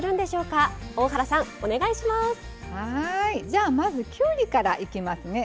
じゃあまずきゅうりからいきますね。